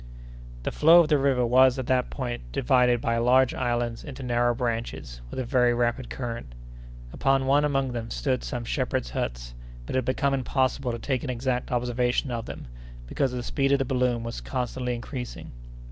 The flow of the river was, at that point, divided by large islands into narrow branches, with a very rapid current. Upon one among them stood some shepherds' huts, but it had become impossible to take an exact observation of them, because the speed of the balloon was constantly increasing.